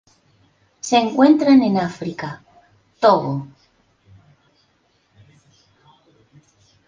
Se encuentran en África: Togo.